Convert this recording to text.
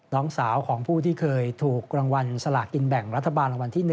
น้องสาวของผู้ที่เคยถูกรางวัลสลากกินแบ่งรัฐบาลรางวัลที่๑